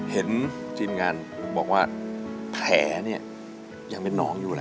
เห็นทีมงานบอกว่าแผลเนี่ยยังเป็นน้องอยู่นะ